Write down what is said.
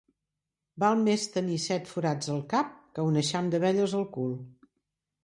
Val més tenir set forats al cap, que un eixam d'abelles al cul.